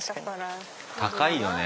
高いよね